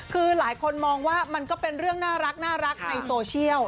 คือหลายคนมองว่ามันก็เป็นเรื่องน่ารักในโซเชียล